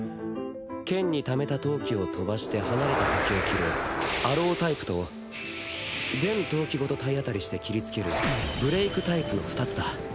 剣にためた闘気を飛ばして離れた敵を斬るアロータイプと全闘気ごと体当たりして斬りつけるブレイクタイプの２つだ。